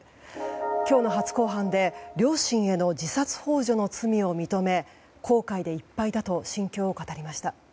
今日の初公判で両親への自殺幇助の罪を認め後悔でいっぱいだと心境を語りました。